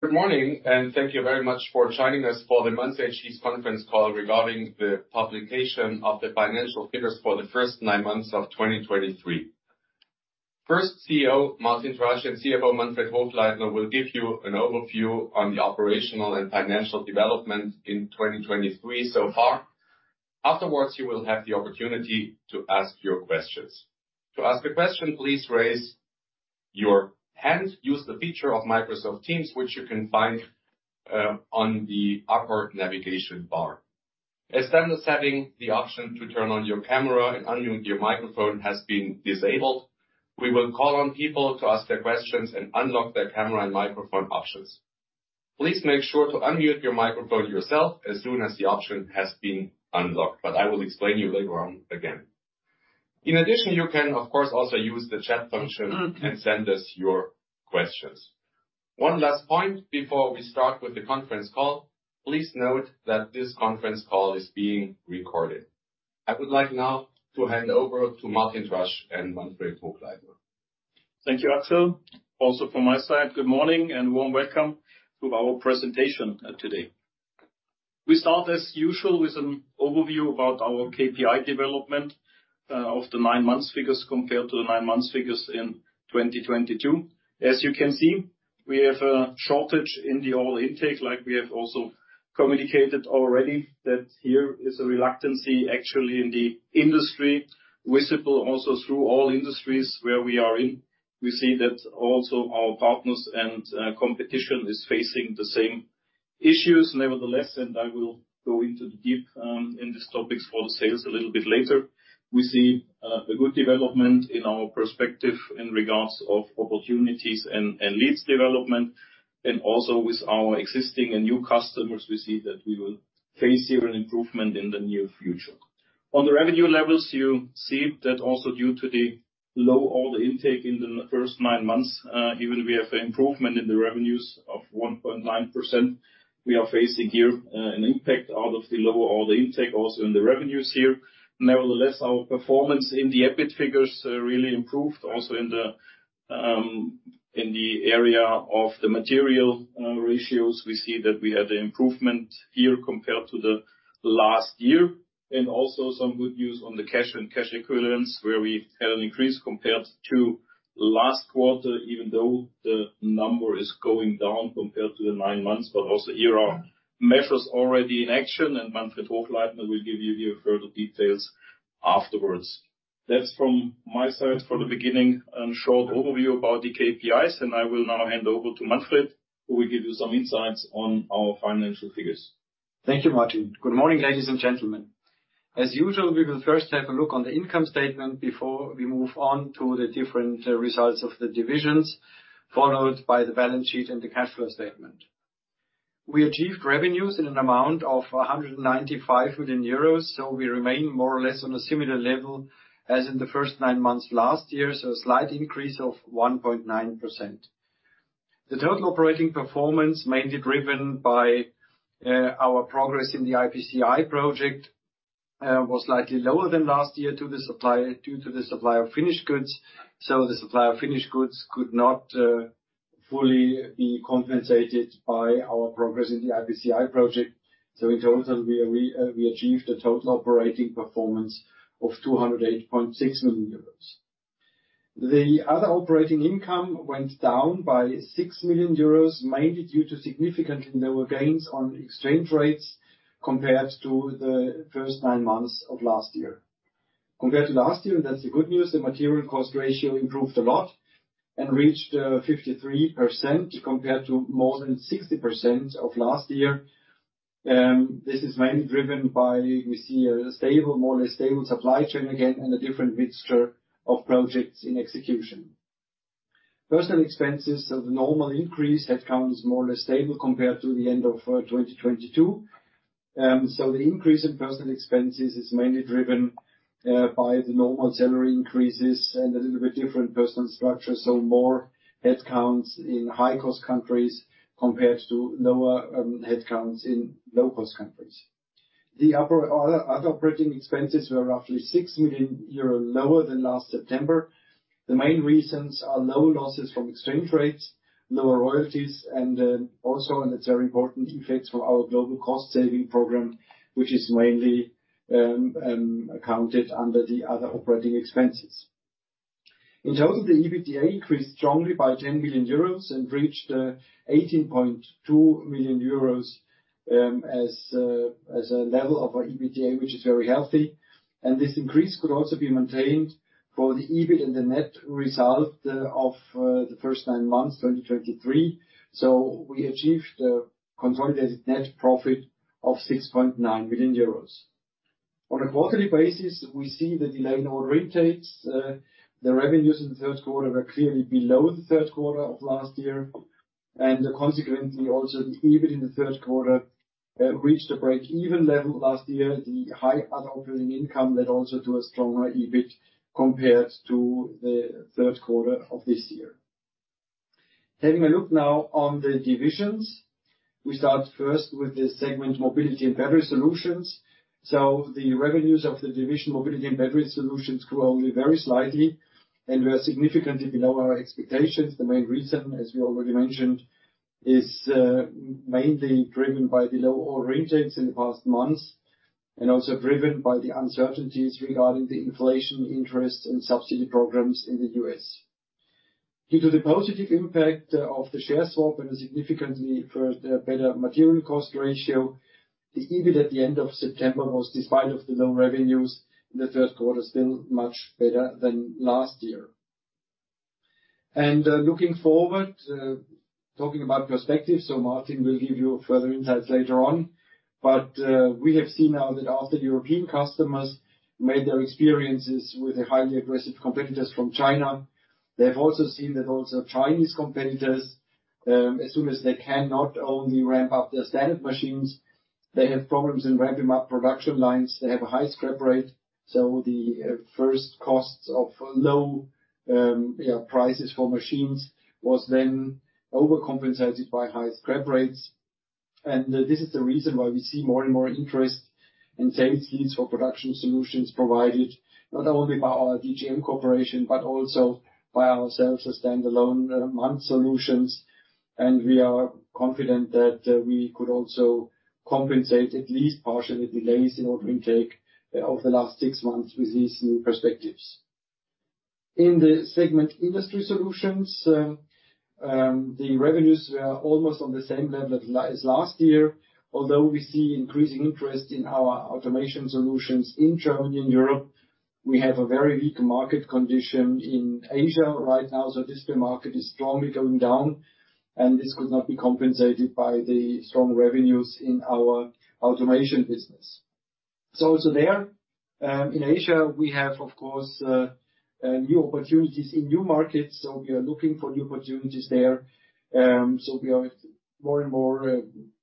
Good morning and thank you very much for joining us for the Manz AG's conference call regarding the publication of the financial figures for the first nine months of 2023. First, CEO Martin Drasch and CFO Manfred Hochleitner will give you an overview on the operational and financial development in 2023 so far. Afterwards, you will have the opportunity to ask your questions. To ask a question, please raise your hand. Use the feature of Microsoft Teams, which you can find on the upper navigation bar. As standard setting, the option to turn on your camera and unmute your microphone has been disabled. We will call on people to ask their questions and unlock their camera and microphone options. Please make sure to unmute your microphone yourself as soon as the option has been unlocked, but I will explain you later on again. In addition, you can, of course, also use the chat function and send us your questions. One last point before we start with the conference call, please note that this conference call is being recorded. I would like now to hand over to Martin Drasch and Manfred Hochleitner. Thank you, Axel. Also from my side, good morning, and warm welcome to our presentation, today. We start, as usual, with an overview about our KPI development, of the nine months figures compared to the nine months figures in 2022. As you can see, we have a shortage in the order intake, like we have also communicated already, that here is a reluctance actually in the industry, visible also through all industries where we are in. We see that also our partners and, competition is facing the same issues. Nevertheless, and I will go into the depth, in these topics for the sales a little bit later. We see, a good development in our perspective in regards of opportunities and leads development, and also with our existing and new customers, we see that we will face here an improvement in the near future. On the revenue levels, you see that also due to the low order intake in the first nine months, even we have an improvement in the revenues of 1.9%, we are facing here an impact out of the lower order intake, also in the revenues here. Nevertheless, our performance in the EBIT figures really improved also in the area of the material ratios. We see that we had an improvement here compared to the last year, and also some good news on the cash and cash equivalents, where we had an increase compared to last quarter, even though the number is going down compared to the nine months, but also here are measures already in action, and Manfred Hochleitner will give you the further details afterwards. That's from my side for the beginning, a short overview about the KPIs, and I will now hand over to Manfred, who will give you some insights on our financial figures. Thank you, Martin. Good morning, ladies and gentlemen. As usual, we will first have a look on the income statement before we move on to the different results of the divisions, followed by the balance sheet and the cash flow statement. We achieved revenues in an amount of 195 million euros, so we remain more or less on a similar level as in the first nine months last year, so a slight increase of 1.9%. The total operating performance, mainly driven by our progress in the IPCEI project, was slightly lower than last year due to the supply of finished goods, so the supply of finished goods could not fully be compensated by our progress in the IPCEI project. So in total, we achieved a total operating performance of 208.6 million euros. The other operating income went down by 6 million euros, mainly due to significantly lower gains on exchange rates compared to the first nine months of last year. Compared to last year, that's the good news, the material cost ratio improved a lot and reached 53% compared to more than 60% of last year. This is mainly driven by, we see a stable, more or less stable supply chain again, and a different mixture of projects in execution. Personnel expenses, so the normal increase, headcount is more or less stable compared to the end of 2022. So the increase in personnel expenses is mainly driven by the normal salary increases and a little bit different personnel structure, so more headcounts in high-cost countries compared to lower headcounts in low-cost countries. The other operating expenses were roughly 6 million euro lower than last September. The main reasons are lower losses from exchange rates, lower royalties, and also and it's very important, effects from our global cost saving program, which is mainly accounted under the other operating expenses. In total, the EBITDA increased strongly by 10 million euros and reached 18.2 million euros as a level of our EBITDA, which is very healthy. And this increase could also be maintained for the EBIT and the net result of the first nine months, 2023. So we achieved a consolidated net profit of 6.9 million euros. On a quarterly basis, we see the delay in order intakes. The revenues in the Q3 were clearly below the Q3 of last year, and consequently, also, the EBIT in the Q3 reached a break-even level last year. The high other operating income led also to a stronger EBIT compared to the Q3 of this year. Taking a look now on the divisions. We start first with the segment Mobility and Battery Solutions. So the revenues of the division Mobility and Battery Solutions grew only very slightly and were significantly below our expectations. The main reason, as we already mentioned, is mainly driven by the low order intakes in the past months, and also driven by the uncertainties regarding the inflation, interest, and subsidy programs in the US. Due to the positive impact of the share swap and a significantly better material cost ratio, the EBIT at the end of September was, despite of the low revenues in the Q1, still much better than last year. Looking forward, talking about perspective, so Martin will give you further insights later on, but we have seen now that after European customers made their experiences with the highly aggressive competitors from China, they have also seen that also Chinese competitors, as soon as they cannot only ramp up their standard machines, they have problems in ramping up production lines. They have a high scrap rate, so the first costs of low prices for machines was then overcompensated by high scrap rates. This is the reason why we see more and more interest in sales leads for production solutions provided not only by our DGM Corporation, but also by ourselves as standalone Manz solutions. We are confident that we could also compensate, at least partially, delays in order intake over the last six months with these new perspectives. In the segment Industry Solutions, the revenues were almost on the same level as last year. Although we see increasing interest in our automation solutions in Germany and Europe, we have a very weak market condition in Asia right now, so this market is strongly going down, and this could not be compensated by the strong revenues in our automation business. So there in Asia, we have, of course, new opportunities in new markets, so we are looking for new opportunities there. So we are more and more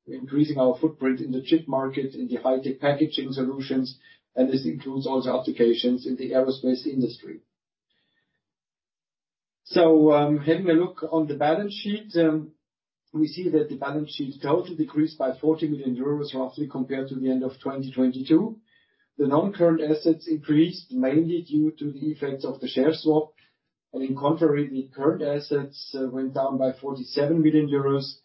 increasing our footprint in the chip market, in the high-tech packaging solutions, and this includes also applications in the aerospace industry. So having a look on the balance sheet, we see that the balance sheet total decreased by 40 million euros, roughly, compared to the end of 2022. The non-current assets increased, mainly due to the effects of the share swap, and in contrary, the current assets went down by 47 million euros,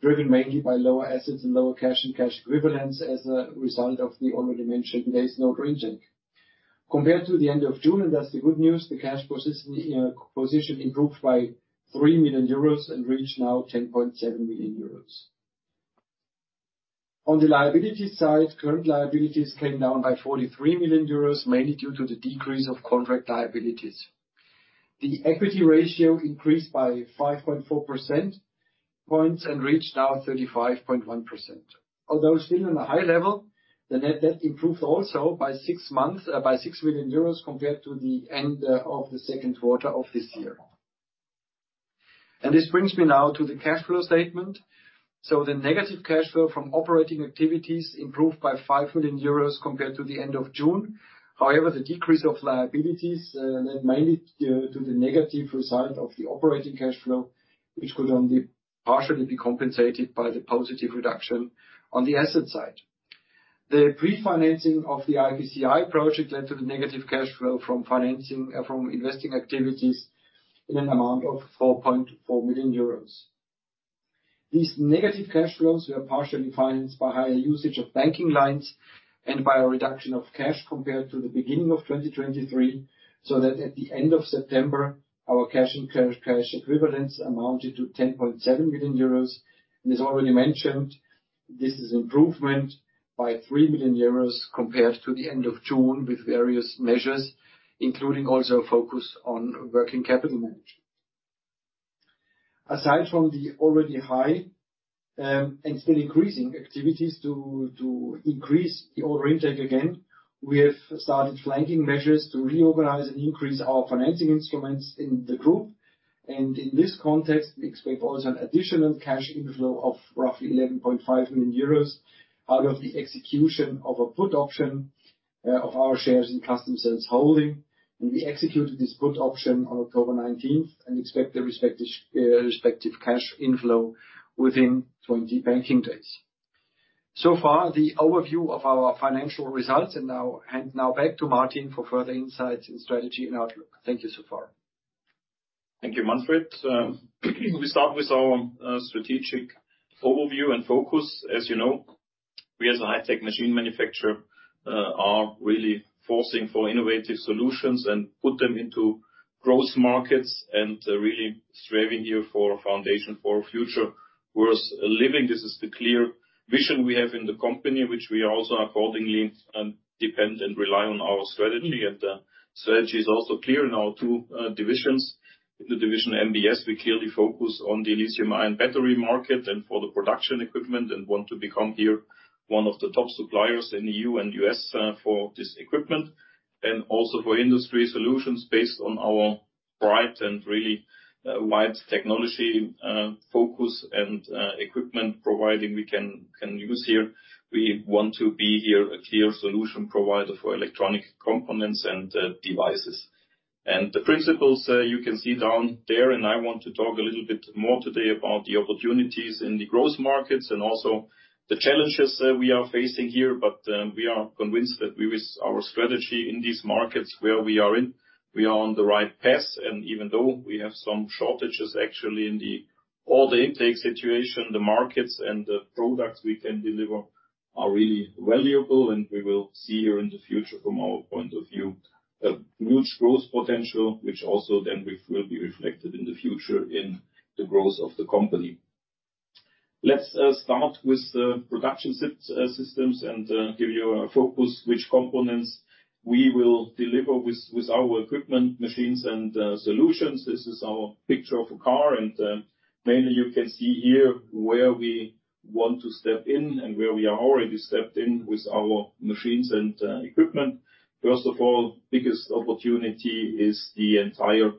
driven mainly by lower assets and lower cash and cash equivalents as a result of the already mentioned late order intake. Compared to the end of June, and that's the good news, the cash position, position improved by 3 million euros and reached now 10.7 million euros. On the liability side, current liabilities came down by 43 million euros, mainly due to the decrease of contract liabilities. The equity ratio increased by 5.4 percentage points and reached now 35.1%. Although still on a high level, the net debt improved also by six months, by six million euros compared to the end, of the Q2 of this year. This brings me now to the cash flow statement. The negative cash flow from operating activities improved by 5 million euros compared to the end of June. However, the decrease of liabilities led mainly due to the negative result of the operating cash flow, which could only partially be compensated by the positive reduction on the asset side. The pre-financing of the IPCEI project led to the negative cash flow from financing from investing activities in an amount of 4.4 million euros. These negative cash flows were partially financed by higher usage of banking lines and by a reduction of cash compared to the beginning of 2023, so that at the end of September, our cash and current cash equivalents amounted to 10.7 million euros, and as already mentioned, this is improvement by 3 million euros compared to the end of June, with various measures, including also a focus on working capital management. Aside from the already high, and still increasing activities to increase the order intake again, we have started flanking measures to reorganize and increase our financing instruments in the group. In this context, we expect also an additional cash inflow of roughly 11.5 million euros out of the execution of a put option of our shares in customer sales holding. We executed this put option on October nineteenth and expect the respective cash inflow within 20 banking days. So far, the overview of our financial results, and now, hand now back to Martin for further insights in strategy and outlook. Thank you so far. Thank you, Manfred. We start with our strategic overview and focus. As you know, we, as a high-tech machine manufacturer, are really forcing for innovative solutions and put them into growth markets and really striving here for a foundation for a future worth living. This is the clear vision we have in the company, which we are also accordingly depend and rely on our strategy. Strategy is also clear in our two divisions. In the division MBS, we clearly focus on the lithium-ion battery market and for the production equipment and want to become here one of the top suppliers in EU and US for this equipment, and also for Industry Solutions based on our bright and really wide technology focus and equipment providing we can use here. We want to be here a clear solution provider for electronic components and, devices. The principles you can see down there, and I want to talk a little bit more today about the opportunities in the growth markets and also the challenges we are facing here. But, we are convinced that with, with our strategy in these markets where we are in, we are on the right path, and even though we have some shortages actually in the order intake situation, the markets and the products we can deliver are really valuable, and we will see here in the future, from our point of view, a huge growth potential, which also then will, will be reflected in the future in the growth of the company. Let's start with the production systems and give you a focus which components we will deliver with our equipment, machines, and solutions. This is our picture of a car, and mainly you can see here where we want to step in and where we are already stepped in with our machines and equipment. First of all, biggest opportunity is the entire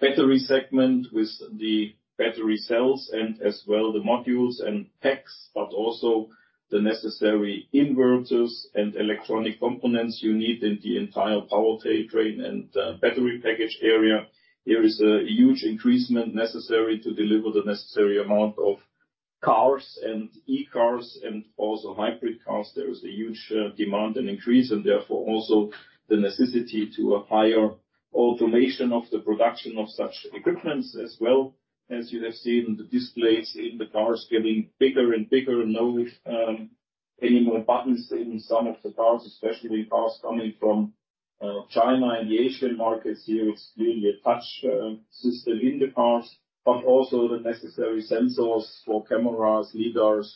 battery segment, with the battery cells and as well the modules and packs, but also the necessary inverters and electronic components you need in the entire powertrain and battery package area. There is a huge increase necessary to deliver the necessary amount of cars and e-cars and also hybrid cars. There is a huge demand and increase, and therefore also the necessity to a higher automation of the production of such equipment's, as well as you have seen the displays in the cars getting bigger and bigger, no more buttons in some of the cars, especially cars coming from China and the Asian markets. Here, it's really a touch system in the cars, but also the necessary sensors for cameras, LiDARs,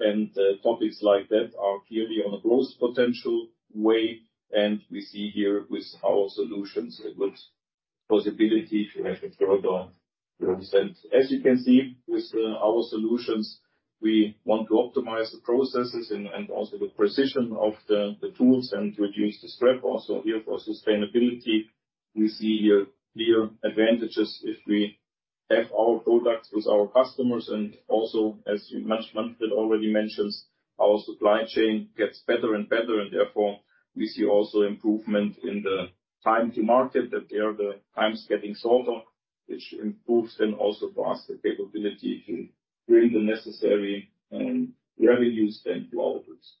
and topics like that are clearly on a growth potential way. And we see here with our solutions a good possibility to have a further understanding. As you can see, with our solutions, we want to optimize the processes and also the precision of the tools and to reduce the scrap also here for sustainability. We see here clear advantages if we have our products with our customers, and also, as much Manfred already mentions, our supply chain gets better and better, and therefore, we see also improvement in the time to market. That there, the time is getting shorter, which improves then also for us, the capability to bring the necessary revenues and profits.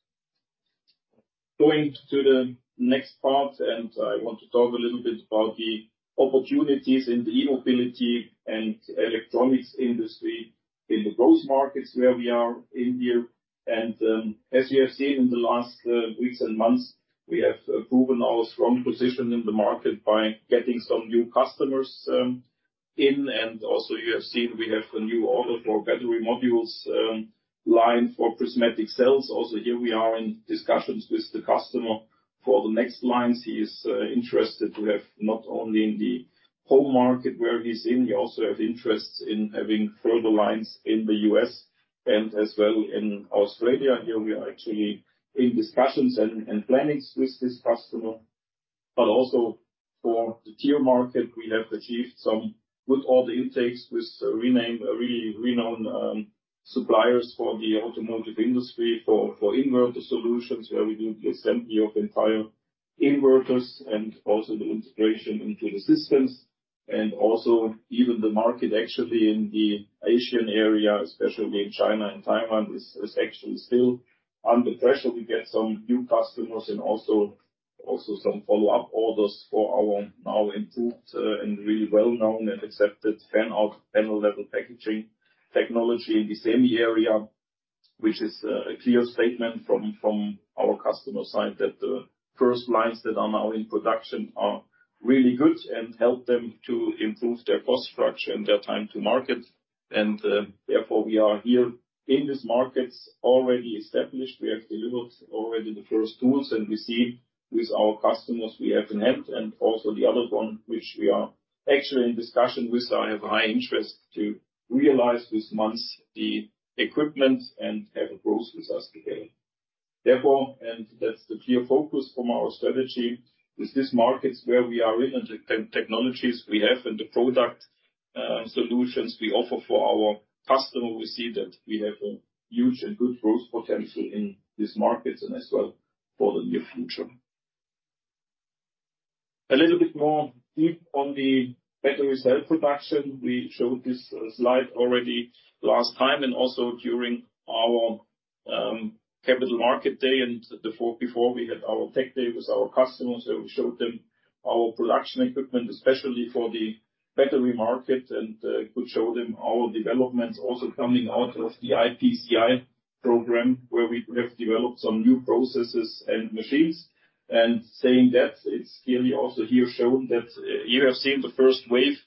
Going to the next part, and I want to talk a little bit about the opportunities in the e-mobility and electronics industry in the growth markets where we are in here. And, as you have seen in the last weeks and months, we have proven our strong position in the market by getting some new customers in. And also, you have seen we have a new order for battery modules line for prismatic cells. Also, here we are in discussions with the customer for the next lines. He is interested to have not only in the home market where he's in, he also have interests in having further lines in the U.S. and as well in Australia. Here we are actually in discussions and plannings with this customer, but also for the tier market, we have achieved some good order intakes with renowned suppliers for the automotive industry, for inverter solutions, where we do the assembly of entire inverters and also the integration into the systems. And also, even the market, actually, in the Asian area, especially in China and Thailand, is actually still under pressure to get some new customers and also some follow-up orders for our now improved and really well-known and accepted Fan-Out Panel-Level Packaging technology in the semi area, which is a clear statement from our customer side, that the first lines that are now in production are really good and help them to improve their cost structure and their time to market. And therefore, we are here in this markets already established. We have delivered already the first tools, and we see with our customers, we have an help. And also the other one, which we are actually in discussion with, I have high interest to realize this month, the equipment and have a growth with us today. Therefore, and that's the clear focus from our strategy, with these markets where we are in, and the technologies we have, and the product, solutions we offer for our customer, we see that we have a huge and good growth potential in these markets and as well for the near future. A little bit more deep on the battery cell production. We showed this, slide already last time, and also during our, capital market day and before we had our tech day with our customers, where we showed them our production equipment, especially for the battery market, and, could show them our developments also coming out of the IPCEI program, where we have developed some new processes and machines. Saying that, it's clearly also here shown that, you have seen the first wave,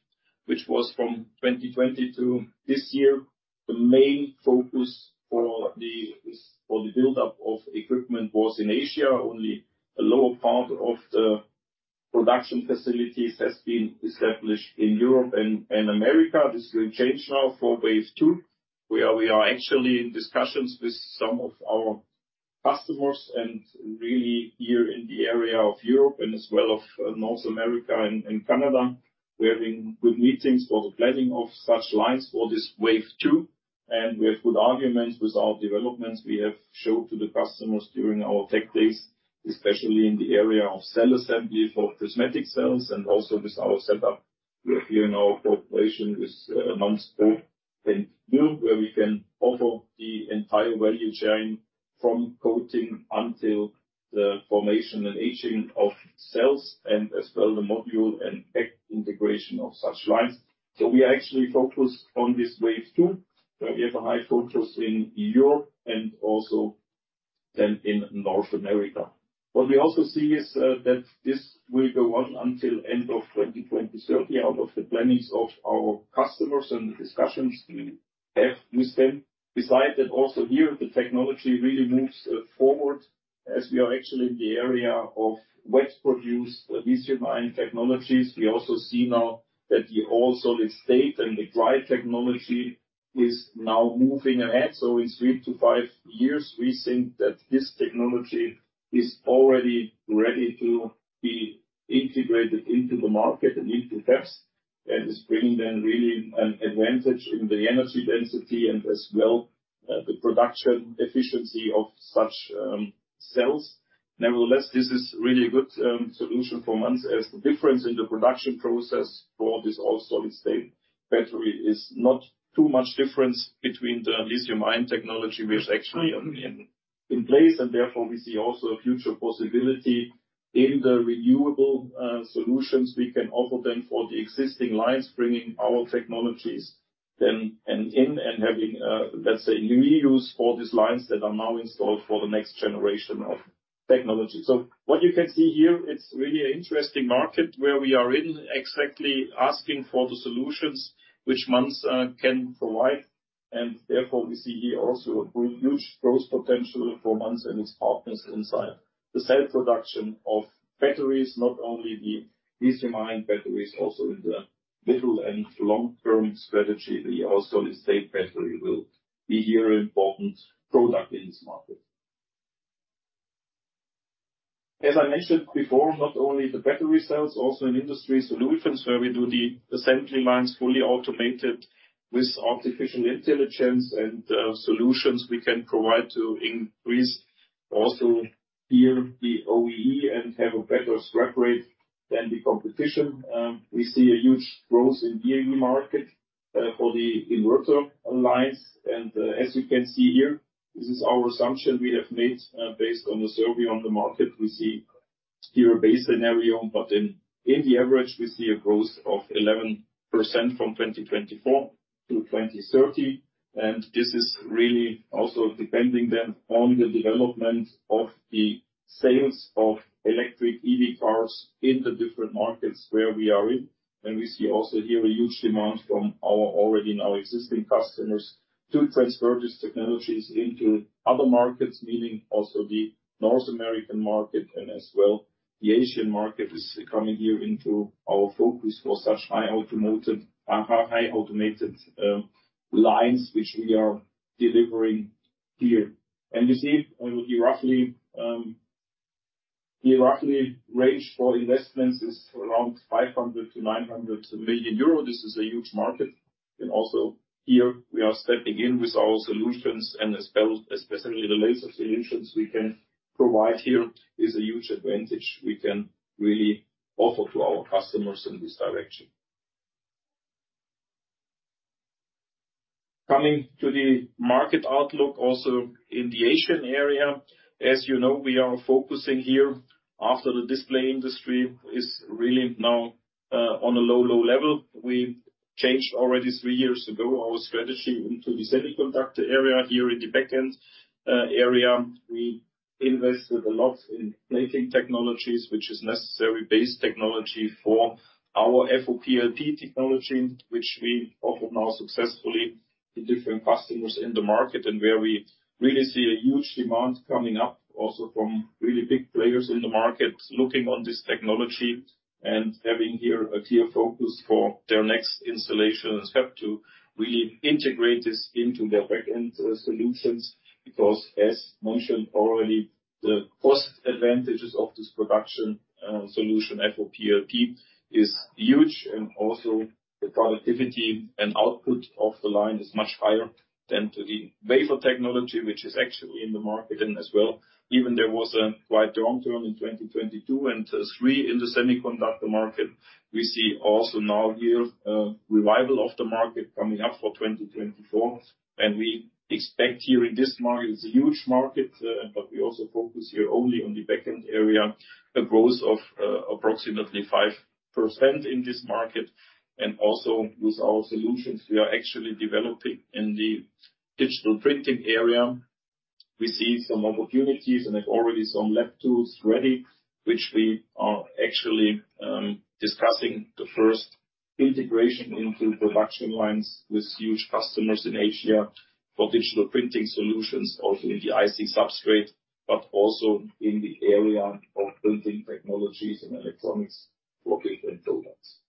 which was from 2020 to this year. The main focus for the build-up of equipment was in Asia. Only a lower part of the production facilities has been established in Europe and America. This will change now for phase two, where we are actually in discussions with some of our customers, and really here in the area of Europe and as well of North America and Canada. We're having good meetings for the planning of such lines for this wave two, and we have good arguments with our developments we have showed to the customers during our tech days, especially in the area of cell assembly for prismatic cells, and also with our setup, we have here in our cooperation with Manz Power and Build, where we can offer the entire value chain from coating until the formation and aging of cells, and as well, the module and pack integration of such lines. So we are actually focused on this wave two, where we have a high focus in Europe and also then in North America. What we also see is that this will go on until end of 2030, out of the plannings of our customers and the discussions we have with them. Besides that, also here, the technology really moves forward as we are actually in the area of wet produced lithium-ion technologies. We also see now that the all-solid-state and the dry technology is now moving ahead, so in 3 to 5 years, we think that this technology is already ready to be integrated into the market and into tests and is bringing them really an advantage in the energy density and as well, the production efficiency of such cells. Nevertheless, this is really a good solution for months, as the difference in the production process for this all-solid-state battery is not too much difference between the lithium-ion technology, which actually in place, and therefore we see also a future possibility in the renewable solutions we can offer them for the existing lines, bringing our technologies then, and having, let's say, new use for these lines that are now installed for the next generation of technology. So what you can see here, it's really an interesting market where we are in exactly asking for the solutions which Manz can provide, and therefore we see here also a huge growth potential for Manz and its partners inside. The cell production of batteries, not only the lithium-ion batteries, also in the middle- and long-term strategy, the all-solid-state battery will be here an important product in this market. As I mentioned before, not only the battery cells, also in Industry Solutions, where we do the assembly lines, fully automated with artificial intelligence and solutions we can provide to increase also here the OEE and have a better scrap rate than the competition. We see a huge growth in PV market for the inverter lines. And, as you can see here, this is our assumption we have made, based on the survey on the market. We see here a base scenario, but in the average, we see a growth of 11% from 2024 to 2030, and this is really also depending then on the development of the sales of electric EV cars in the different markets where we are in. We see also here a huge demand from our already now existing customers to transfer these technologies into other markets, meaning also the North American market and as well, the Asian market is coming here into our focus for such high automated lines, which we are delivering here. You see roughly the range for investments is around 500 to 900 million. This is a huge market, and also here we are stepping in with our solutions and as well, specifically the laser solutions we can provide here is a huge advantage we can really offer to our customers in this direction. Coming to the market outlook, also in the Asian area, as you know, we are focusing here after the display industry is really now on a low, low level. We changed already three years ago, our strategy into the semiconductor area. Here in the back-end area, we invested a lot in plating technologies, which is necessary base technology for our FOPLP technology, which we offer now successfully to different customers in the market, and where we really see a huge demand coming up, also from really big players in the market, looking on this technology and having here a clear focus for their next installation step to really integrate this into their back-end solutions. Because as mentioned already, the cost advantages of this production solution, FOPLP, is huge, and also the productivity and output of the line is much higher than to the wafer technology, which is actually in the market. As well, even there was a quiet downturn in 2022 and 2023 in the semiconductor market, we see also now here a revival of the market coming up for 2024, and we expect here in this market, it's a huge market, but we also focus here only on the back-end area, a growth of approximately 5% in this market. Also with our solutions, we are actually developing in the digital printing area. We see some opportunities and have already some lab tools ready, which we are actually discussing the first integration into production lines with huge customers in Asia for digital printing solutions, also in the IC substrate, but also in the area of printing technologies and electronics blocking and products.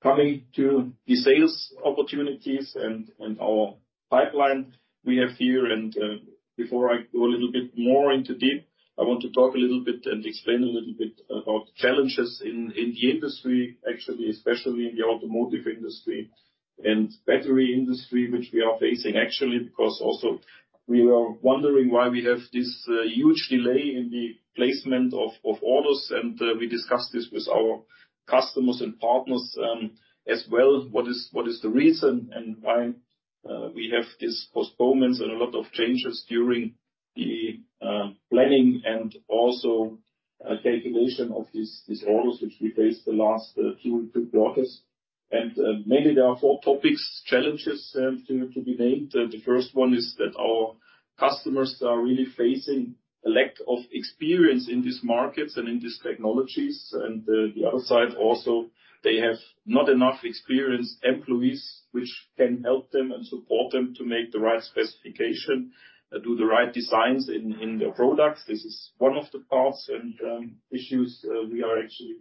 Coming to the sales opportunities and our pipeline, we have here and before I go a little bit more in depth, I want to talk a little bit and explain a little bit about challenges in the industry, actually, especially in the automotive industry and battery industry, which we are facing actually, because also we were wondering why we have this huge delay in the placement of orders, and we discussed this with our customers and partners, as well. What is the reason and why we have these postponements and a lot of changes during the planning and also calculation of these orders, which we faced the last two quarters. And mainly, there are four topics, challenges, to be named. The first one is that our customers are really facing a lack of experience in these markets and in these technologies. And, the other side also, they have not enough experienced employees, which can help them and support them to make the right specification, do the right designs in, in their products. This is one of the parts and, issues, we are actually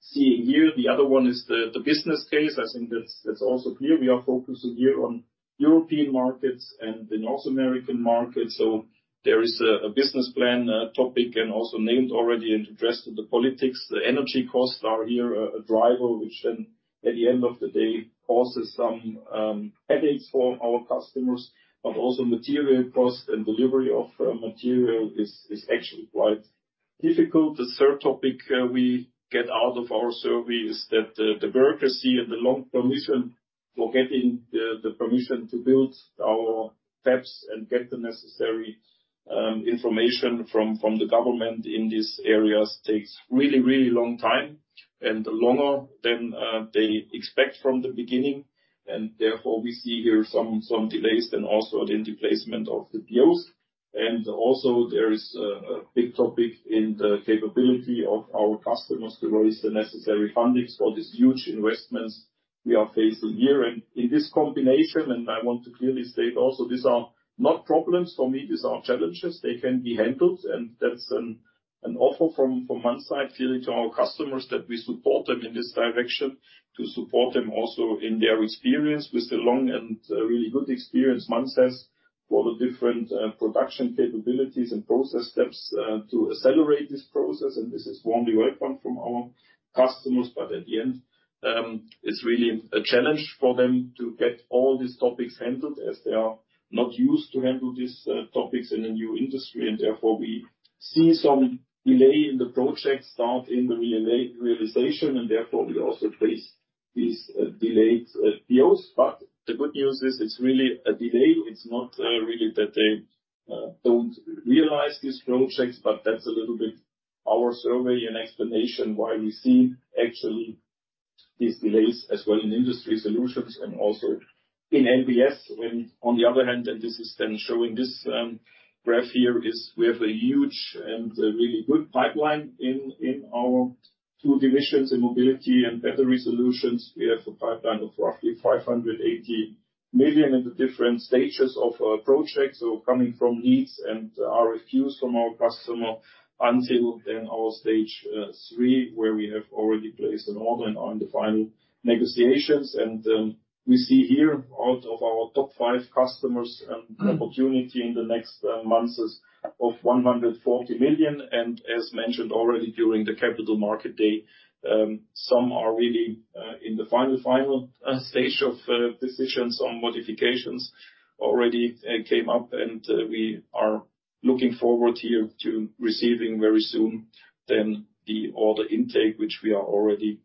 seeing here. The other one is the business case. I think that's also clear. We are focusing here on European markets and the North American market, so there is a business plan topic, and also named already and addressed the politics. The energy costs are here, a driver, which then, at the end of the day, causes some headaches for our customers, but also material cost and delivery of material is actually quite difficult. The third topic we get out of our survey is that the bureaucracy and the long permission for getting the permission to build our fabs and get the necessary information from the government in these areas takes really, really long time, and longer than they expect from the beginning. And therefore, we see here some delays, then also in the placement of the deals. And also, there is a big topic in the capability of our customers to raise the necessary fundings for these huge investments we are facing here. And in this combination, and I want to clearly state also, these are not problems for me, these are challenges. They can be handled, and that's an offer from one side, clearly, to our customers, that we support them in this direction, to support them also in their experience with the long and really good experience one has for the different production capabilities and process steps to accelerate this process, and this is warmly welcome from our customers. But at the end, it's really a challenge for them to get all these topics handled, as they are not used to handle these topics in a new industry, and therefore we see some delay in the project start in the realization, and therefore we also face these delayed deals. But the good news is, it's really a delay. It's not really that they don't realize these projects, but that's a little bit our survey and explanation why we see actually these delays as well in Industry Solutions and also in MBS. When on the other hand, and this is then showing this graph here, is we have a huge and a really good pipeline in our two divisions, in Mobility and Battery Solutions. We have a pipeline of roughly 580 million in the different stages of projects, so coming from needs and RFQs from our customer, until then our stage three, where we have already placed an order and on the final negotiations. And we see here, out of our top five customers, opportunity in the next months is of 140 million. As mentioned already during the capital market day, some are really in the final stage of decisions on modifications. Already came up, and we are looking forward here to receiving very soon then the order intake, which we are already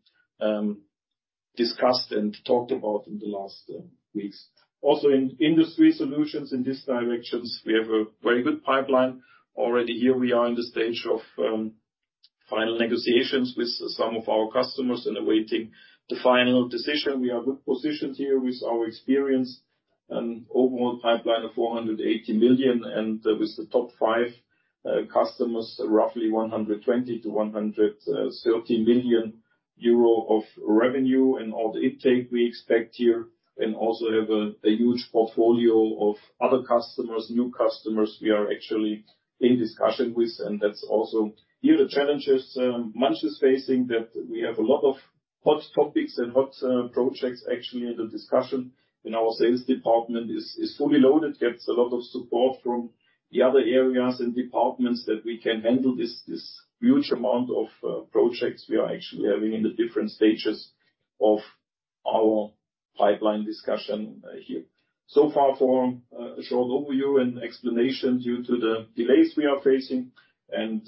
discussed and talked about in the last weeks. Also, in Industry Solutions, in these directions, we have a very good pipeline. Already here we are in the stage of final negotiations with some of our customers and awaiting the final decision. We are good positioned here with our experience, and overall pipeline of 480 million, and with the top five customers, roughly 120 to 130 million of revenue and order intake we expect here, and also have a huge portfolio of other customers, new customers we are actually in discussion with, and that's also... Here, the challenges Manz is facing, that we have a lot of hot topics and hot projects actually in the discussion, and our sales department is fully loaded, gets a lot of support from the other areas and departments, that we can handle this huge amount of projects we are actually having in the different stages of our pipeline discussion, here. So far for a short overview and explanation due to the delays we are facing and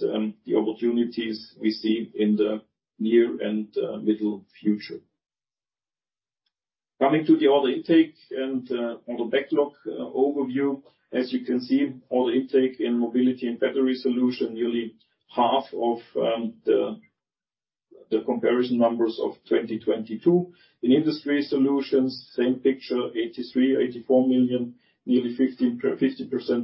the opportunities we see in the near and middle future. Coming to the order intake and order backlog overview. As you can see, order intake in mobility and battery solution nearly half of the comparison numbers of 2022. In industry solutions, same picture, 83 to 84 million, nearly 15%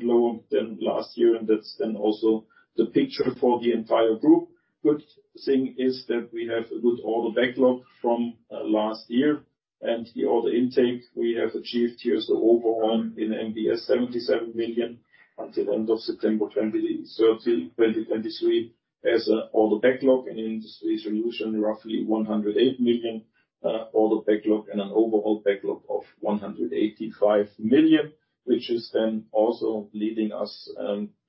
lower than last year, and that's then also the picture for the entire group. Good thing is that we have a good order backlog from last year. and the order intake we have achieved here, so overall in MBS, 77 million until the end of September 30, 2023, as order backlog, and in Industry Solutions, roughly 108 million, order backlog, and an overall backlog of 185 million, which is then also leading us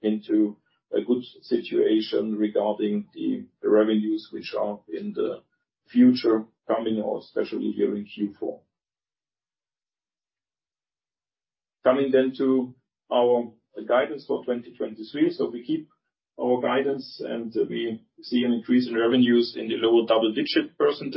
into a good situation regarding the revenues which are in the future coming, or especially here in Q4. Coming then to our guidance for 2023. We keep our guidance, and we see an increase in revenues in the lower double-digit %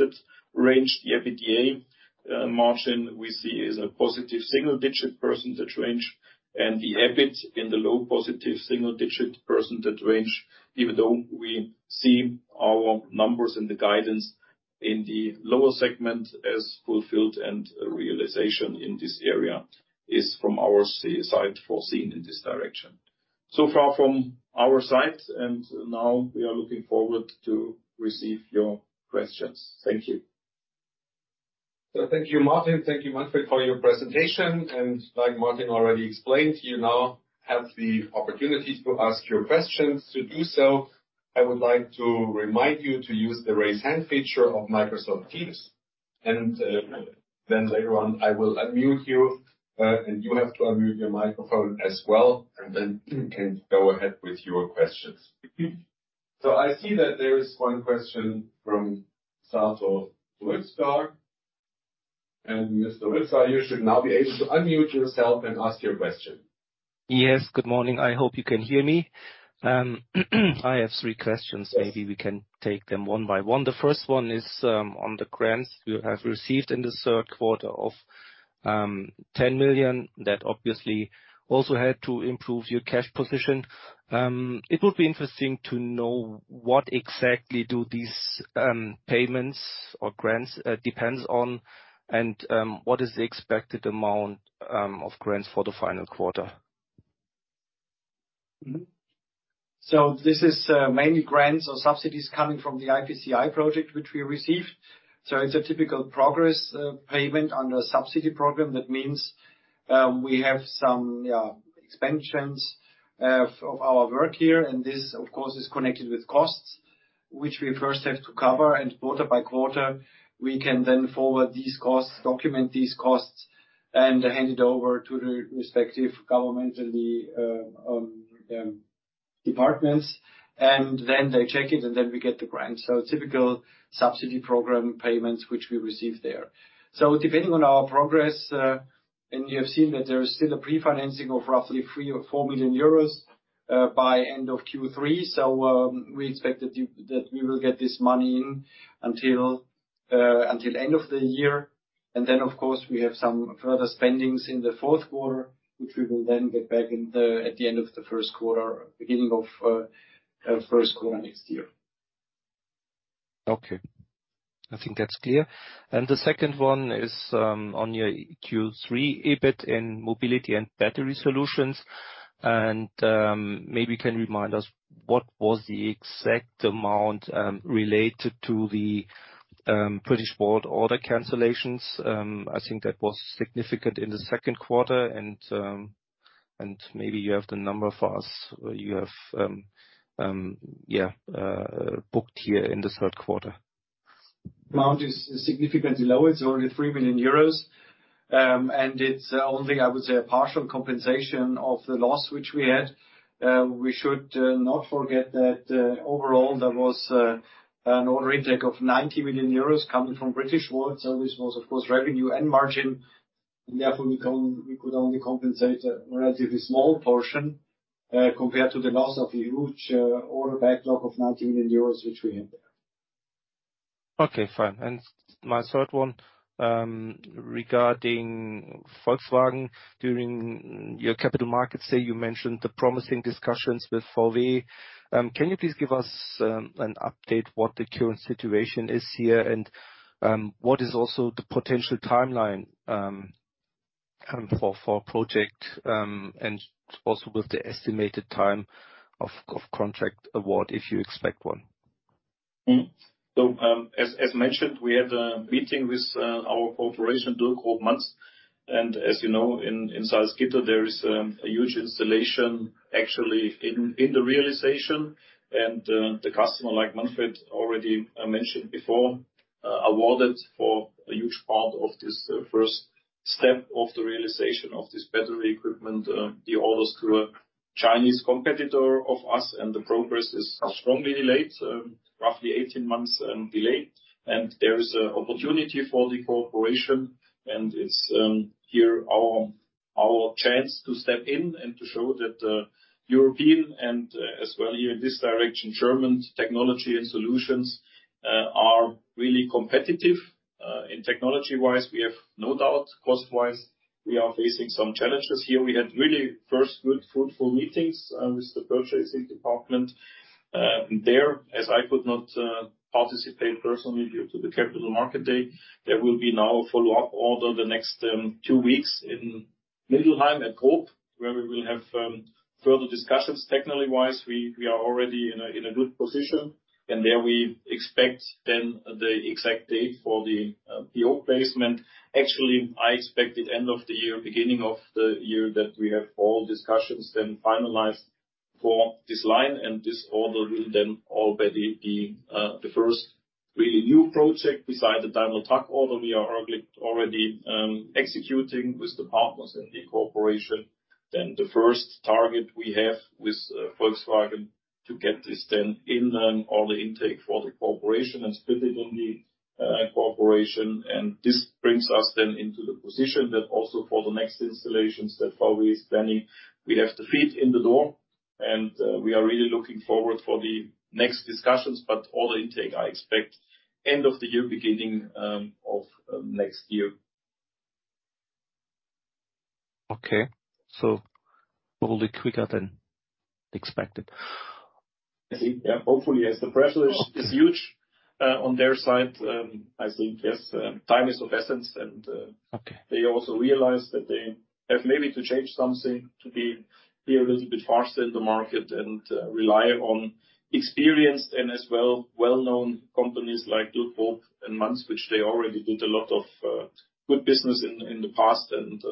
range. The EBITDA margin we see is a positive single-digit % range, and the EBIT in the low positive single-digit % range, even though we see our numbers in the guidance in the lower segment as fulfilled and realization in this area is, from our side, foreseen in this direction. So far from our side, and now we are looking forward to receive your questions. Thank you. So, thank you, Martin. Thank you, Manfred, for your presentation. And like Martin already explained, you now have the opportunity to ask your questions. To do so, I would like to remind you to use the Raise Hand feature of Microsoft Teams, and then later on, I will unmute you, and you have to unmute your microphone as well, and then you can go ahead with your questions. So I see that there is one question from Mr. Witzcar, and Mr. Witzcar, you should now be able to unmute yourself and ask your question. Yes, good morning. I hope you can hear me. I have three questions. Maybe we can take them one by one. The first one is, on the grants you have received in the Q3 of 10 million. That obviously also had to improve your cash position. It would be interesting to know what exactly do these, payments or grants, depends on, and, what is the expected amount, of grants for the final quarter? So this mainly grants or subsidies coming from the IPCEI project, which we received. So it's a typical progress payment on the subsidy program. That means we have some expansions of our work here, and this, of course, is connected with costs, which we first have to cover. And quarter by quarter, we can then forward these costs, document these costs, and hand it over to the respective government and the departments, and then they check it, and then we get the grants. So typical subsidy program payments, which we receive there. So depending on our progress, and you have seen that there is still a pre-financing of roughly 3 to 4 million by end of Q3. So we expect that we will get this money in until end of the year. Then, of course, we have some further spendings in the Q4, which we will then get back in at the end of the Q1, beginning of Q1 next year. Okay. I think that's clear. And the second one is, on your Q3 EBIT in Mobility and Battery Solutions, and maybe you can remind us, what was the exact amount, related to the, Britishvolt order cancellations? I think that was significant in the Q2, and maybe you have the number for us, you have, yeah, booked here in the Q3. Amount is significantly lower. It's only 3 million euros, and it's only, I would say, a partial compensation of the loss which we had. We should not forget that overall, there was an order intake of 90 million euros coming from Britishvolt, so this was, of course, revenue and margin, and therefore, we can only-- we could only compensate a relatively small portion compared to the loss of the huge order backlog of 90 million euros, which we had there. Okay, fine. And my third one, regarding Volkswagen. During your capital markets day, you mentioned the promising discussions with VW. Can you please give us an update what the current situation is here, and what is also the potential timeline for project, and also with the estimated time of contract award, if you expect one? So, as mentioned, we had a meeting with our cooperation during whole months, and as you know, in Salzgitter, there is a huge installation actually in the realization, and the customer, like Manfred already mentioned before, awarded for a huge part of this first step of the realization of this battery equipment, the orders to a Chinese competitor of us, and the progress is strongly delayed, roughly 18 months delayed. And there is an opportunity for the cooperation, and it's here, our chance to step in and to show that European, and as well here in this direction, German technology and solutions are really competitive. In technology-wise, we have no doubt. Cost-wise, we are facing some challenges here. We had really first good, fruitful meetings with the purchasing department. There, as I could not participate personally due to the Capital Market Day, there will be now a follow-up order in the next two weeks in Mittelheim and Hope, where we will have further discussions. Technically wise, we are already in a good position, and there we expect then the exact date for the order placement. Actually, I expect it end of the year, beginning of the year, that we have all discussions then finalized for this line, and this order will then already be the first really new project besides the Daimler Truck order we are already executing with the partners in the corporation. Then the first target we have with Volkswagen to get this then in all the intake for the corporation and spend it on the corporation. This brings us then into the position that also for the next installations, that for we standing, we have the feet in the door, and we are really looking forward for the next discussions. But all the intake, I expect end of the year, beginning of next year. Okay. So probably quicker than expected. I think, yeah, hopefully, yes. The pressure is huge on their side. I think, yes, time is of essence, and- Okay. They also realize that they have maybe to change something to be a little bit faster in the market and rely on experienced and as well-known companies like BMW and Manz, which they already did a lot of good business in the past. And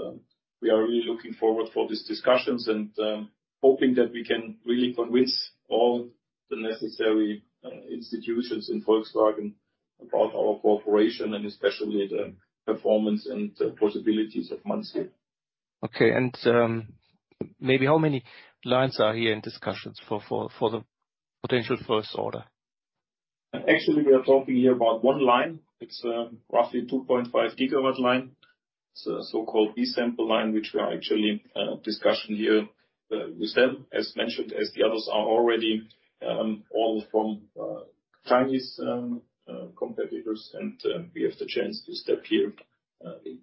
we are really looking forward for these discussions and hoping that we can really convince all the necessary institutions in Volkswagen about our cooperation, and especially the performance and possibilities of Manz here. Okay, and maybe how many lines are here in discussions for the potential first order? Actually, we are talking here about one line. It's roughly 2.5 gigawatt line. It's a so-called sample line, which we are actually in discussion here with them, as mentioned, as the others are already all from Chinese competitors, and we have the chance to step here in.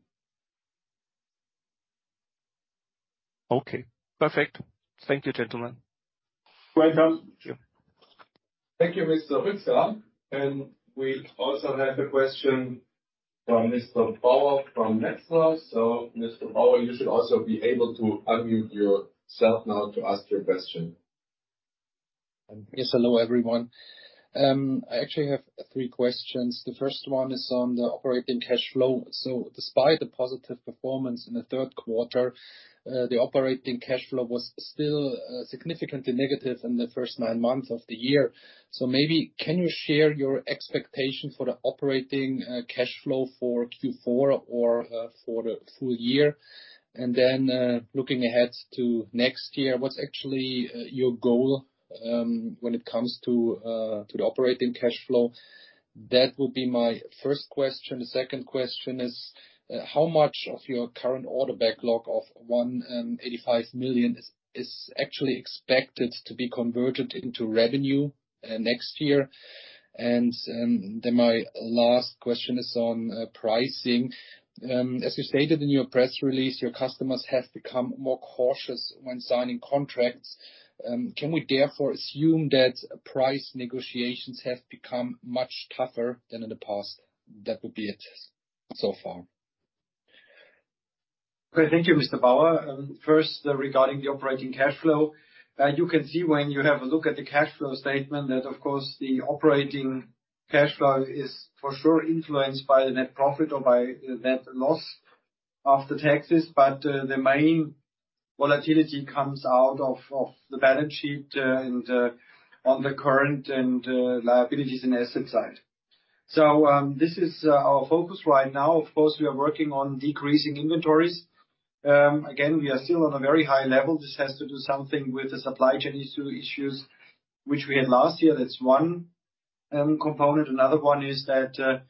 Okay, perfect. Thank you, gentlemen. Welcome. Thank you. Thank you, Mr. Utzer. We also have a question from Mr. Bauer from Metzler. Mr. Bauer, you should also be able to unmute yourself now to ask your question. Yes, hello, everyone. I actually have three questions. The first one is on the operating cash flow. So despite the positive performance in the Q3, the operating cash flow was still significantly negative in the first nine months of the year. So maybe can you share your expectation for the operating cash flow for Q4 or for the full year? And then, looking ahead to next year, what's actually your goal when it comes to the operating cash flow? That would be my first question. The second question is, how much of your current order backlog of 185 million is actually expected to be converted into revenue next year? And, then my last question is on pricing. As you stated in your press release, your customers have become more cautious when signing contracts. Can we therefore assume that price negotiations have become much tougher than in the past? That would be it so far. Thank you, Mr. Bauer. First, regarding the operating cash flow, you can see when you have a look at the cash flow statement, that, of course, the operating cash flow is for sure influenced by the net profit or by net loss after taxes. But, the main volatility comes out of the balance sheet, and on the current assets and liabilities side. So, this is our focus right now. Of course, we are working on decreasing inventories. Again, we are still on a very high level. This has to do something with the supply chain issues which we had last year. That's one component. Another one is that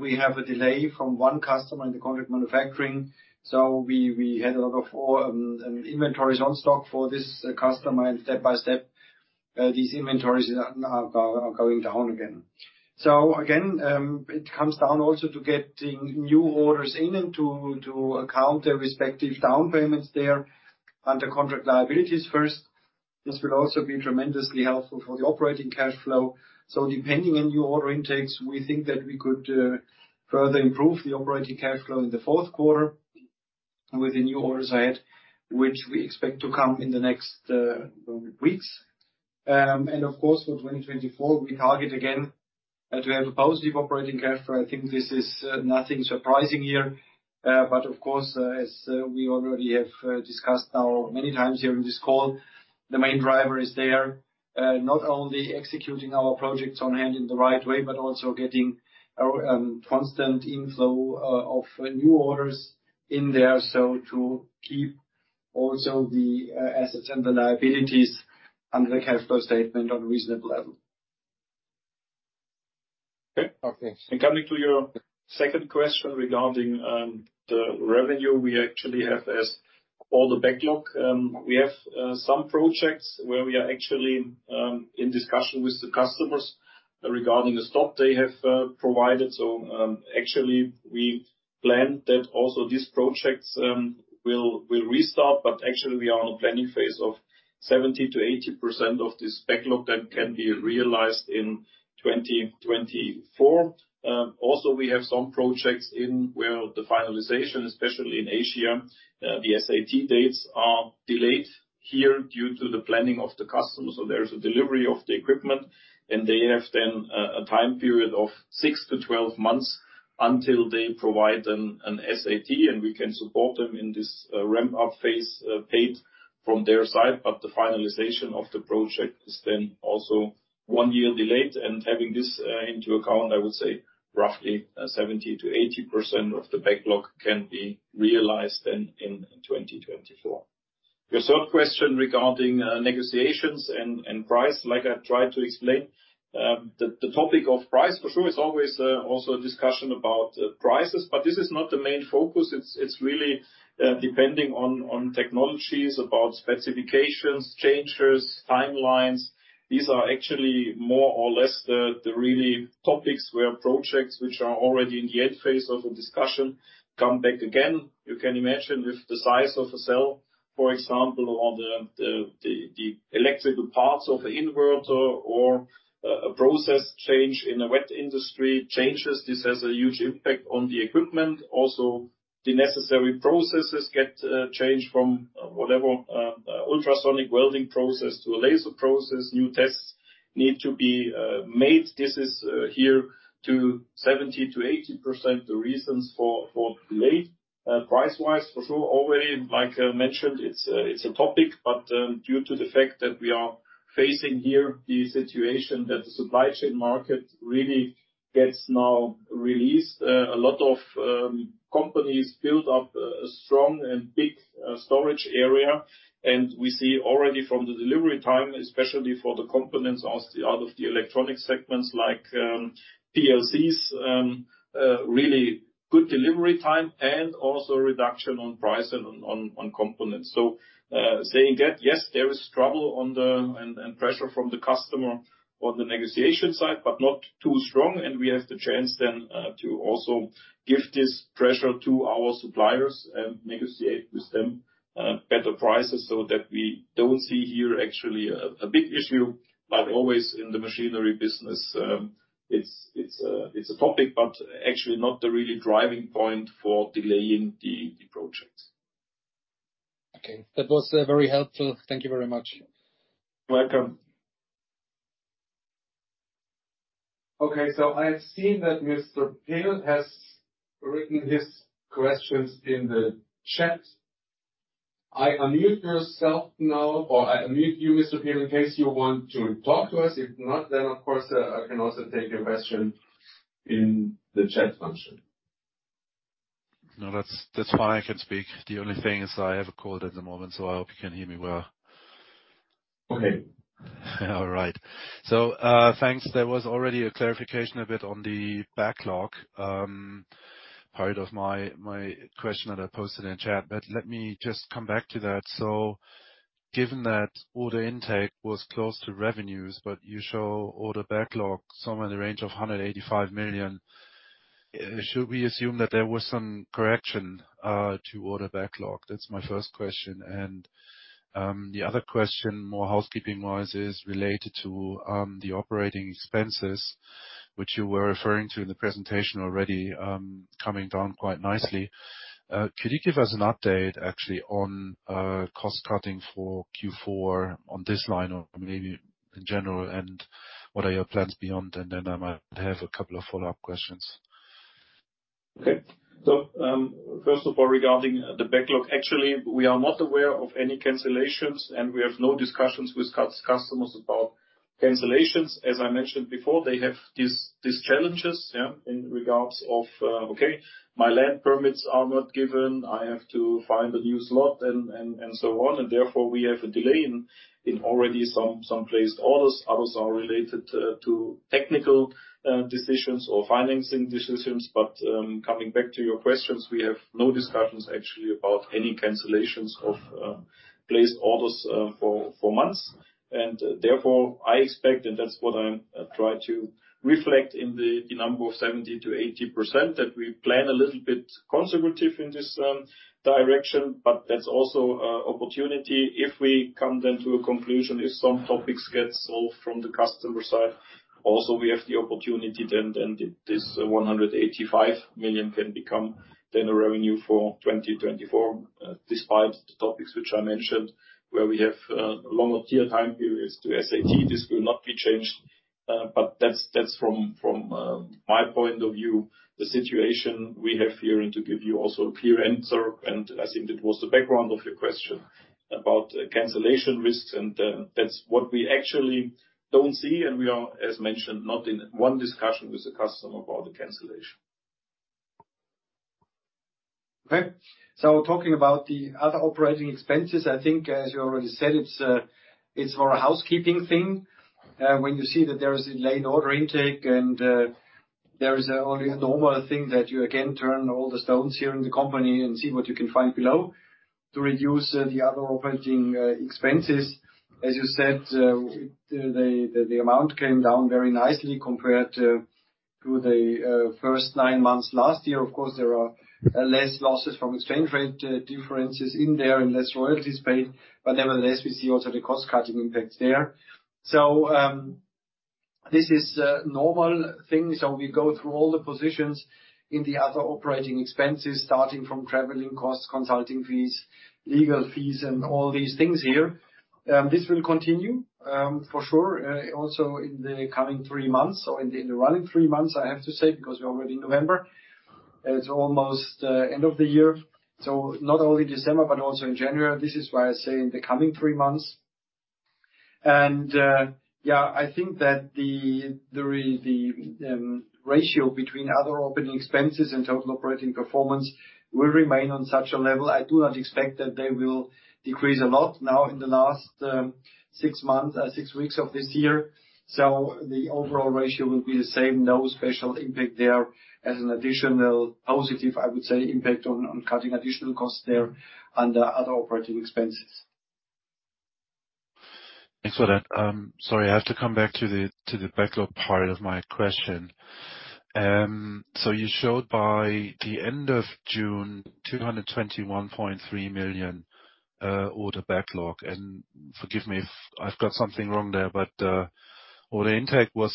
we have a delay from one customer in the contract manufacturing. We had a lot of inventories on stock for this customer, and step by step, these inventories are going down again. Again, it comes down also to getting new orders in and to account the respective down payments there under contract liabilities first. This will also be tremendously helpful for the operating cash flow. So depending on new order intakes, we think that we could further improve the operating cash flow in the Q4 with the new orders I had, which we expect to come in the next weeks. Of course, for 2024, we target again to have a positive operating cash flow. I think this is nothing surprising here, but of course, as we already have discussed now many times here in this call, the main driver is there, not only executing our projects on hand in the right way, but also getting a constant inflow of new orders in there, so to keep also the assets and the liabilities under the cash flow statement on a reasonable level. Okay. Coming to your second question regarding the revenue, we actually have almost all the backlogs. We have some projects where we are actually in discussion with the customers regarding the stock they have provided. So, actually, we plan that also these projects will restart, but actually, we are on a planning phase of 70 to 80% of this backlog that can be realized in 2024. Also, we have some projects where the finalization, especially in Asia, the SAT dates are delayed here due to the planning of the customers. So there's a delivery of the equipment, and they have then a time period of 6 to 12 months until they provide an SAT, and we can support them in this ramp-up phase, paid from their side. But the finalization of the project is then also one year delayed, and having this into account, I would say roughly 70 to 80% of the backlog can be realized then in 2024. Your third question regarding negotiations and price, like I tried to explain, the topic of price for sure is always also a discussion about prices, but this is not the main focus. It's really depending on technologies, about specifications, changes, timelines. These are actually more or less the really topics where projects which are already in the end phase of a discussion come back again. You can imagine if the size of a cell, for example, on the electrical parts of an inverter or a process change in a wet chemistry change, this has a huge impact on the equipment. Also, the necessary processes get changed from whatever ultrasonic welding process to a laser process. New tests need to be made. This is here 70 to 80% the reasons for delay. Price-wise, for sure, already, like I mentioned, it's a topic, but due to the fact that we are facing here the situation that the supply chain market really gets now released, a lot of companies build up a strong and big storage area, and we see already from the delivery time, especially for the components out of the electronic segments, like PLCs, really good delivery time and also reduction on price and on components. So, saying that, yes, there is trouble on the one hand and pressure from the customer on the negotiation side, but not too strong, and we have the chance then to also give this pressure to our suppliers and negotiate with them better prices, so that we don't see here actually a big issue, but always in the machinery business, it's a topic, but actually not the really driving point for delaying the project. Okay. That was very helpful. Thank you very much. Welcome. Okay, so I have seen that Mr. Pehl has written his questions in the chat. I unmute yourself now, or I unmute you, Mr. Pehl, in case you want to talk to us. If not, then, of course, I can also take your question in the chat function. No, that's, that's fine. I can speak. The only thing is I have a cold at the moment, so I hope you can hear me well. Okay. All right. So, thanks. There was already a clarification a bit on the backlog, part of my question that I posted in chat, but let me just come back to that. So given that order intake was close to revenues, but you show order backlog somewhere in the range of 185 million, should we assume that there was some correction to order backlog? That's my first question. The other question, more housekeeping-wise, is related to the operating expenses, which you were referring to in the presentation already, coming down quite nicely. Could you give us an update, actually, on cost cutting for Q4 on this line or maybe in general, and what are your plans beyond? And then I might have a couple of follow-up questions. Okay. So, first of all, regarding the backlog, actually, we are not aware of any cancellations, and we have no discussions with customers about cancellations. As I mentioned before, they have these challenges in regards of okay, my land permits are not given, I have to find a new slot and so on, and therefore, we have a delay in already some placed orders. Others are related to technical decisions or financing decisions. But, coming back to your questions, we have no discussions, actually, about any cancellations of placed orders for months. And therefore, I expect, and that's what I'm trying to reflect in the number of 70 to 80%, that we plan a little bit conservative in this direction, but that's also an opportunity. If we come then to a conclusion, if some topics get solved from the customer side, also, we have the opportunity then, and this 185 million can become then a revenue for 2024, despite the topics which I mentioned, where we have longer lead time periods to SAT, this will not be changed. But that's, that's from, from my point of view, the situation we have here, and to give you also a clear answer, and I think that was the background of your question about cancellation risks, and that's what we actually don't see, and we are, as mentioned, not in one discussion with the customer about the cancellation. Okay. So talking about the other operating expenses, I think, as you already said, it's more a housekeeping thing. When you see that there is a delayed order intake, and there is only a normal thing that you again turn all the stones here in the company and see what you can find below.... to reduce the other operating expenses. As you said, the amount came down very nicely compared to the first nine months last year. Of course, there are less losses from exchange rate differences in there and less royalties paid, but nevertheless, we see also the cost-cutting impacts there. So, this is a normal thing, so we go through all the positions in the other operating expenses, starting from traveling costs, consulting fees, legal fees, and all these things here. This will continue for sure also in the coming three months, or in the running three months, I have to say, because we're already in November. It's almost end of the year, so not only December, but also in January. This is why I say in the coming three months. Yeah, I think that the ratio between other operating expenses and total operating performance will remain on such a level. I do not expect that they will decrease a lot now in the last six weeks of this year. So the overall ratio will be the same. No special impact there as an additional positive, I would say, impact on cutting additional costs there under other operating expenses. Thanks for that. Sorry, I have to come back to the, to the backlog part of my question. So you showed by the end of June, 221.3 million order backlog. And forgive me if I've got something wrong there, but order intake was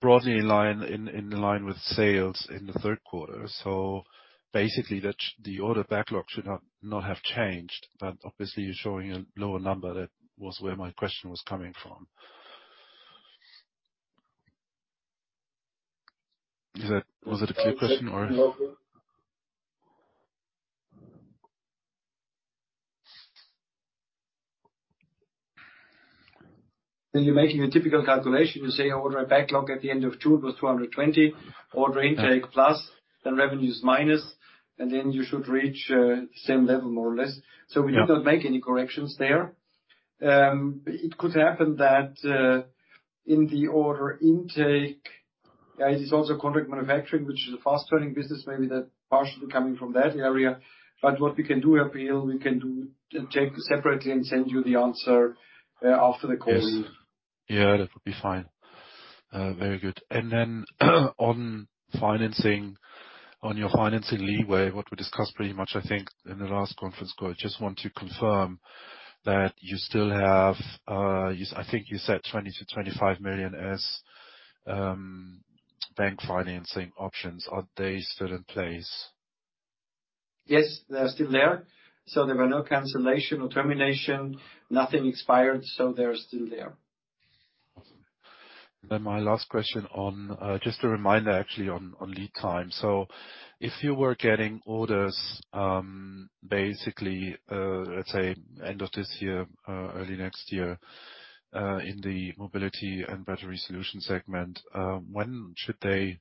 broadly in line, in line with sales in the Q3. So basically, the order backlog should not have changed, but obviously, you're showing a lower number. That was where my question was coming from. Is that... Was it a clear question, or? Then you're making a typical calculation. You say order backlog at the end of June was 220. Order intake- Yeah... plus, then revenues minus, and then you should reach the same level, more or less. Yeah. We did not make any corrections there. It could happen that, in the order intake, it is also contract manufacturing, which is a fast-turning business, maybe that partially coming from that area. But what we can do, Emil, we can do, check separately and send you the answer, after the call. Yes. Yeah, that would be fine. Very good. Then on financing, on your financing leeway, what we discussed pretty much, I think, in the last conference call, I just want to confirm that you still have, I think you said 20 to 25 million as bank financing options. Are they still in place? Yes, they are still there. There were no cancellation or termination. Nothing expired, so they're still there. Awesome. Then my last question on, just a reminder, actually, on, on lead time. So if you were getting orders, basically, let's say, end of this year, early next year, in the mobility and battery solution segment, when should they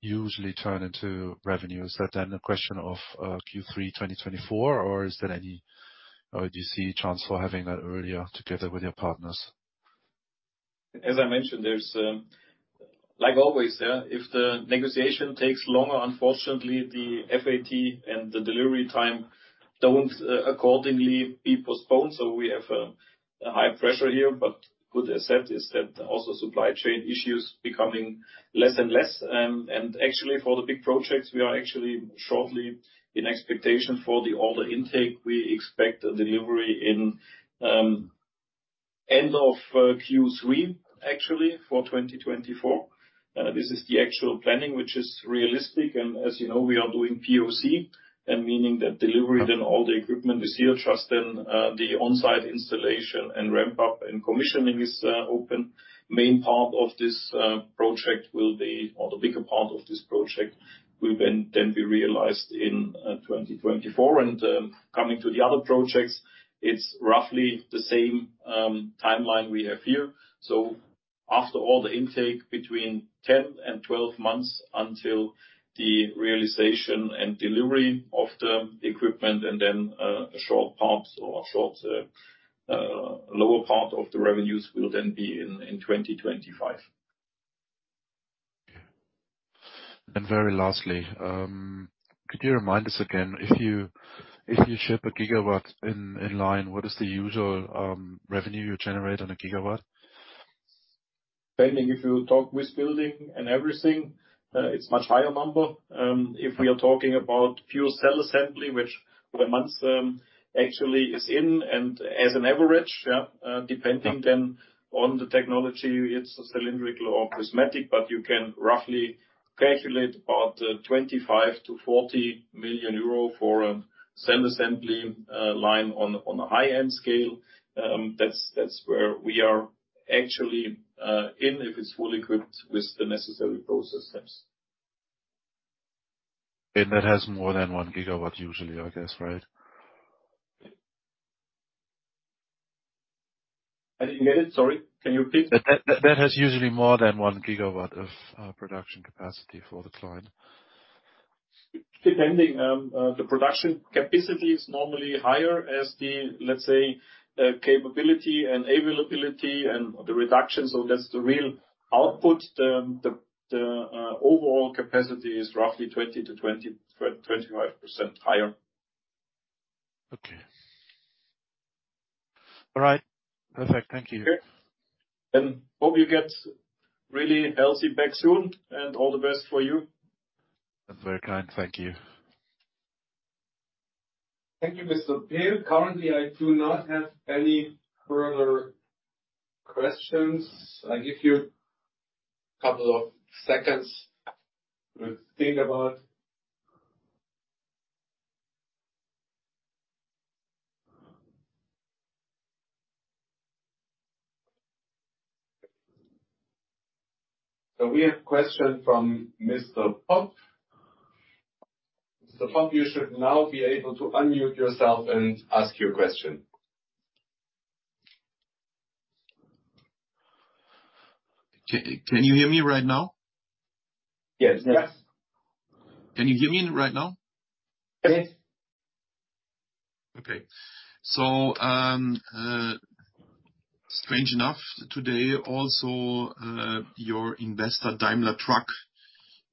usually turn into revenues? Is that then a question of Q3, 2024, or is there any do you see a chance for having that earlier together with your partners? As I mentioned, there's, like always, if the negotiation takes longer, unfortunately, the FAT and the delivery time don't accordingly be postponed. So we have a high pressure here, but good aspect is that also supply chain issues becoming less and less. And actually, for the big projects, we are actually shortly in expectation for the order intake. We expect a delivery in end of Q3, actually, for 2024. This is the actual planning, which is realistic, and as you know, we are doing POC, and meaning that delivery, then all the equipment is here. Just then the on-site installation and ramp up and commissioning is open. Main part of this project will be, or the bigger part of this project, will then be realized in 2024. Coming to the other projects, it's roughly the same timeline we have here. After all the intake, between 10 and 12 months until the realization and delivery of the equipment, and then a short part or a short lower part of the revenues will then be in 2025. Very lastly, could you remind us again, if you ship a gigawatt in line, what is the usual revenue you generate on a gigawatt? Depending if you talk with building and everything, it's much higher number. If we are talking about fuel cell assembly, which where Manz actually is in and as an average, depending- Yeah... then on the technology, it's cylindrical or prismatic, but you can roughly calculate about 25 to 40 million for a cell assembly line on a, on a high-end scale. That's, that's where we are actually, in, if it's fully equipped with the necessary process steps. That has more than 1 gigawatt usually, I guess, right? I didn't get it, sorry. Can you repeat? That has usually more than 1 Gigawatt of production capacity for the client. Depending, the production capacity is normally higher as the, let's say, capability and availability and the reduction, so that's the real output. The overall capacity is roughly 20 to 25, 25% higher. Okay.... All right, perfect. Thank you. Okay, and hope you get really healthy back soon, and all the best for you. That's very kind. Thank you. Thank you, Mr. Pehl. Currently, I do not have any further questions. I give you a couple of seconds to think about. So, we have a question from Mr. Pop. Mr. Pop, you should now be able to unmute yourself and ask your question. Can you hear me right now? Yes. Yes. Can you hear me right now? Yes. Okay. So, strange enough, today also, your investor, Daimler Truck,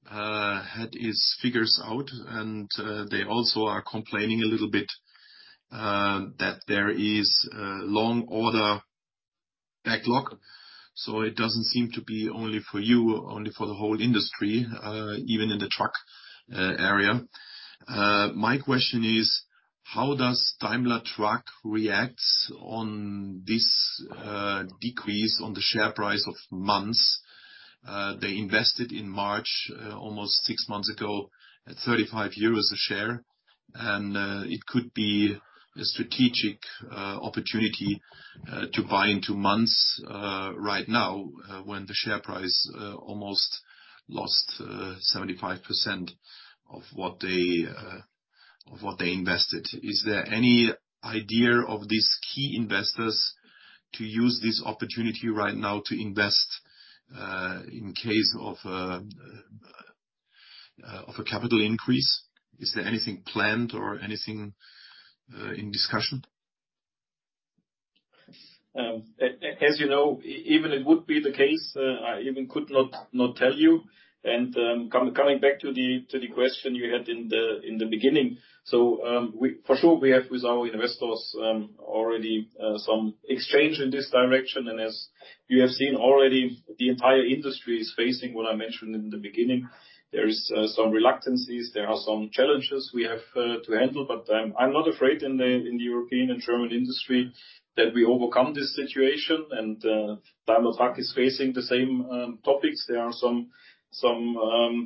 had its figures out, and, they also are complaining a little bit, that there is a long order backlog, so it doesn't seem to be only for you, only for the whole industry, even in the truck, area. My question is: How does Daimler Truck react on this, decrease on the share price of Manz? They invested in March, almost six months ago, at 35 euros a share, and it could be a strategic, opportunity, to buy into Manz, right now, when the share price, almost lost 75% of what they, of what they invested. Is there any idea of these key investors to use this opportunity right now to invest in case of a capital increase? Is there anything planned or anything in discussion? As you know, even it would be the case, I even could not, not tell you. And, coming back to the question you had in the beginning, so, for sure, we have with our investors already some exchange in this direction, and as you have seen already, the entire industry is facing what I mentioned in the beginning. There are some reluctances, there are some challenges we have to handle, but I'm not afraid in the European and German industry, that we overcome this situation, and Daimler Truck is facing the same topics. There are some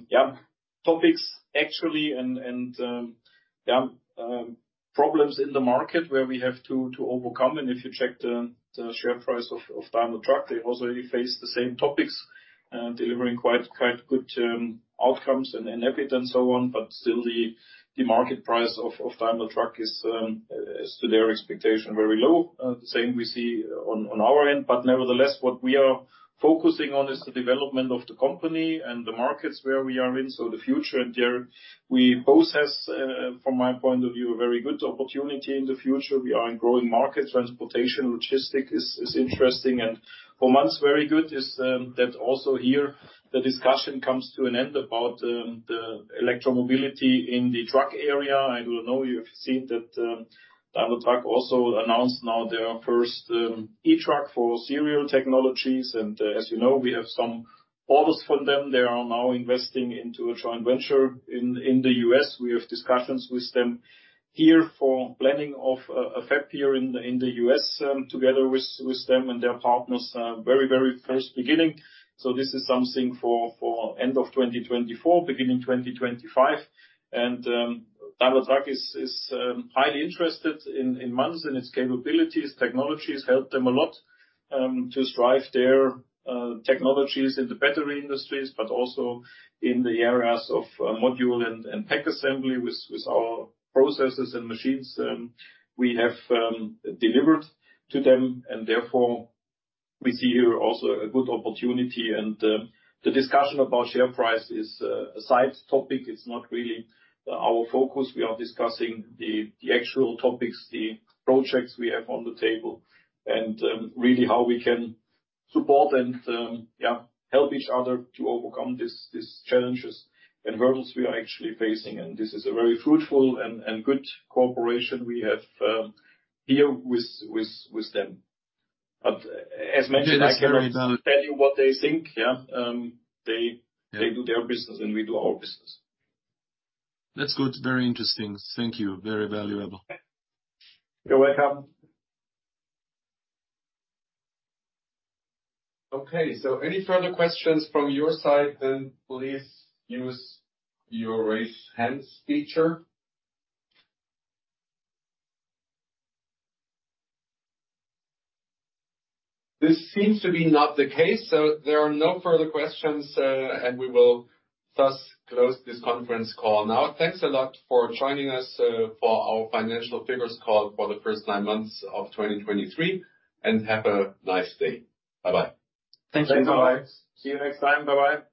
yeah problems in the market where we have to overcome. If you check the share price of Daimler Truck, they also face the same topics, delivering quite good outcomes and EBIT and so on. But still, the market price of Daimler Truck is, as to their expectation, very low. The same we see on our end, but nevertheless, what we are focusing on is the development of the company and the markets where we are in, so the future, and there we both has, from my point of view, a very good opportunity in the future. We are in growing market. Transportation, logistics is interesting, and for months, very good, that also here, the discussion comes to an end about the electromobility in the truck area. I don't know, you've seen that, Daimler Truck also announced now their first e-truck for serial technologies, and as you know, we have some orders from them. They are now investing into a joint venture in the U.S. We have discussions with them here for planning of a factory in the U.S., together with them and their partners. Very, very first beginning, so this is something for end of 2024, beginning 2025. And Daimler Truck is highly interested in Manz and its capabilities. Technologies help them a lot to drive their technologies in the battery industries, but also in the areas of module and pack assembly with our processes and machines we have delivered to them, and therefore, we see here also a good opportunity. The discussion about share price is a side topic. It's not really our focus. We are discussing the actual topics, the projects we have on the table, and really how we can support and yeah help each other to overcome these challenges and hurdles we are actually facing. And this is a very fruitful and good cooperation we have here with them. But as mentioned, I cannot tell you what they think, yeah. They do their business, and we do our business. That's good. Very interesting. Thank you. Very valuable. You're welcome. Okay, so any further questions from your side, then please use your Raise Hands feature. This seems to be not the case, so there are no further questions, and we will thus close this conference call now. Thanks a lot for joining us, for our financial figures call for the first 9 months of 2023 and have a nice day. Bye-bye. Thank you. Bye-bye. See you next time. Bye-bye.